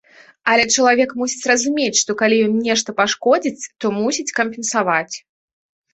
Але чалавек мусіць разумець, што калі ён нешта пашкодзіць, то мусіць кампенсаваць.